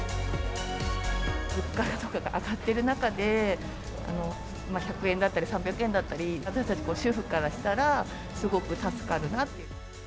物価とかが上がってる中で、１００円だったり、３００円だったり、私たち、主婦からしたら、すごく助かるなって。